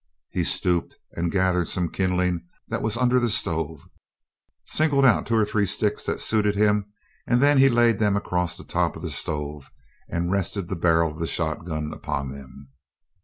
He stooped and gathered some kindling that was under the stove, singled out two or three sticks that suited him, and then he laid them across the top of the stove and rested the barrel of the shotgun upon them.